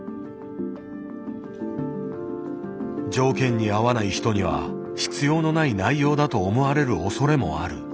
条件に合わない人には必要のない内容だと思われるおそれもある。